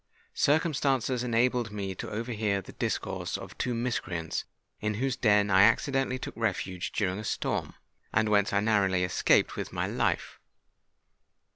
Circumstances enabled me to overhear the discourse of two miscreants in whose den I accidentally took refuge during a storm, and whence I narrowly escaped with my life.